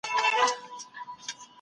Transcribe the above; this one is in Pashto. ژوند روښانه دی